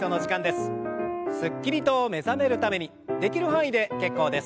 すっきりと目覚めるためにできる範囲で結構です。